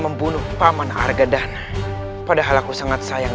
keputusan negara di mana sisa kian santang